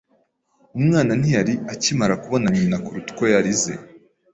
Umwana ntiyari akimara kubona nyina kuruta uko yarize.